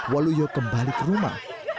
waluyo kembali ke rumah